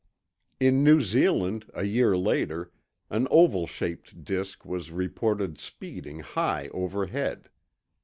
In New Zealand, a year later, an oval shaped disk was reported speeding high overhead.